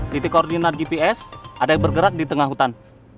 titik koordinat gps ada yang bergerak di tengah hutan